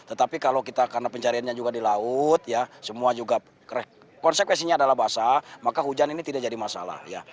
tetapi kalau kita karena pencariannya juga di laut semua juga konsekuensinya adalah basah maka hujan ini tidak jadi masalah